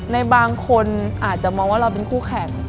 ในบางคนอาจจะมองว่าเราเป็นคู่แข่ง